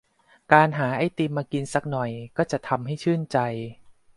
การหาไอติมมากินสักหน่อยก็จะทำให้ชื่นใจ